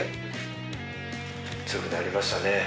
強くなりましたね。